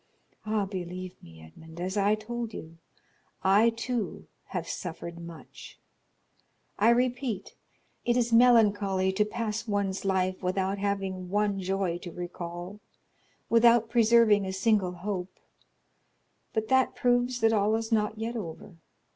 Ah, believe me, Edmond, as I told you, I too have suffered much; I repeat, it is melancholy to pass one's life without having one joy to recall, without preserving a single hope; but that proves that all is not yet over.